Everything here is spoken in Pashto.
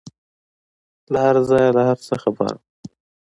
له هرځايه له هرڅه خبره وه.